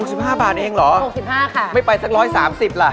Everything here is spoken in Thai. สิบห้าบาทเองเหรอหกสิบห้าค่ะไม่ไปสักร้อยสามสิบล่ะ